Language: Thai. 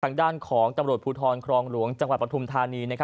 ทางด้านของตำรวจภูทรครองหลวงจังหวัดปฐุมธานี